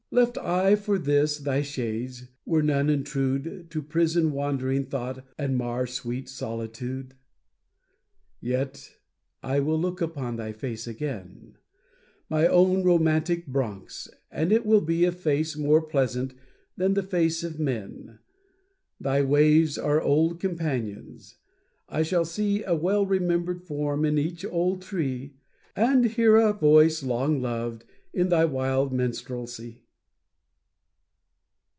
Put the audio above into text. Left I for this thy shades, were none intrude, To prison wandering thought and mar sweet solitude? Yet I will look upon thy face again, My own romantic Bronx, and it will be A face more pleasant than the face of men. Thy waves are old companions, I shall see A well remembered form in each old tree, And hear a voice long loved in thy wild minstrelsy.